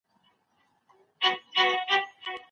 ما به خپل ځان پیژندلی وي.